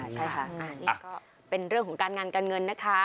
ใช่ค่ะนี่ก็เป็นเรื่องของการงานการเงินนะคะ